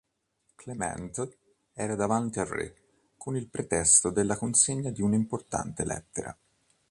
Clément era davanti al re con il pretesto della consegna di un'importante lettera.